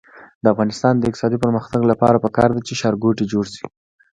د افغانستان د اقتصادي پرمختګ لپاره پکار ده چې ښارګوټي جوړ شي.